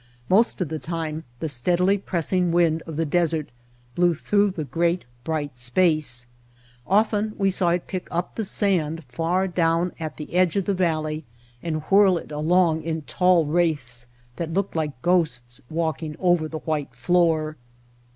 Most of the time the steadily pressing wind of the desert blew through the great, bright space. Often we saw It pick up the sand far down at the edge of the valley and whirl it along in tall wraiths that looked like ghosts walking over the white floor.